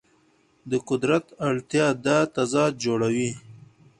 د قدرت اړتیا دا تضاد جوړوي.